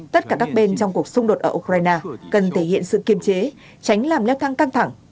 tất cả các bên trong cuộc xung đột ở ukraine cần thể hiện sự kiềm chế tránh làm leo thăng căng thẳng